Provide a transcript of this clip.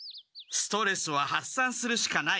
ストレスは発散するしかない。